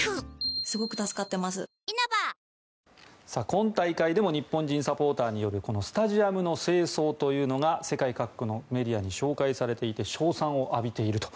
今大会でも日本人サポーターによるこのスタジアムの清掃というのが世界各国のメディアに紹介されていて称賛を浴びていると。